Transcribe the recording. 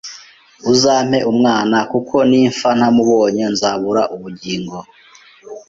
uzampe umwana kuko nimfa ntamubonye nzabura ubugingo